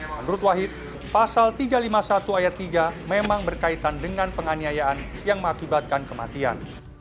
menurut wahid pasal tiga ratus lima puluh satu ayat tiga memang berkaitan dengan penganiayaan yang mengakibatkan kematian